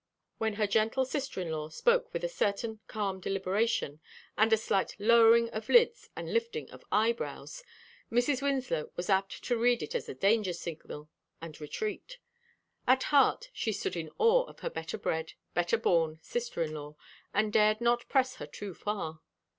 When her gentle sister in law spoke with a certain calm deliberation, and a slight lowering of lids and lifting of eyebrows, Mrs. Winslow was apt to read it as a danger signal and retreat. At heart she stood in awe of her better bred, better born sister in law, and dared not press her too far.